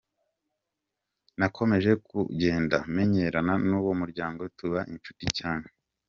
Nakomeje kugenda menyerana n’uwo muryango tuba inshuti cyane.